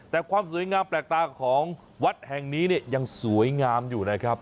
แต่ความสวยงามแปลกตาของวัดแห่งนี้เนี่ยยังสวยงามอยู่นะครับ